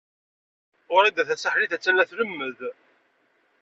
Wrida Tasaḥlit a-tt-an la tlemmed.